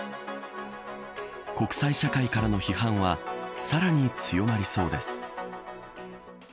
国際社会からの批判はさらに強まりそうです。